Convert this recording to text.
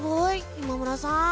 今村さん。